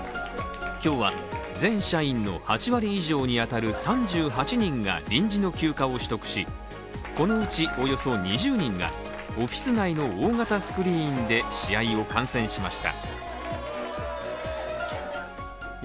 今日は全社員の８割以上に当たる３８人が臨時の休暇を取得し、このうちおよそ２０人がオフィス内の大型スクリーンで試合を観戦しました。